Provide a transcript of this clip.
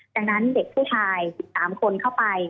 ดังนั้นเด็กผู้ชาย๑๓คนเข้าไป